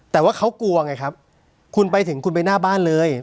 แต่ว่าเขากลัวไงครับคุณไปถึงคุณไปหน้าบ้านเลย